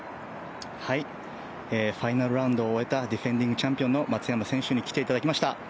ファイナルラウンドを終えたディフェンディングチャンピオンの松山英樹さんに来ていただきました。